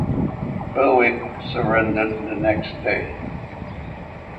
Berwick surrendered the next day.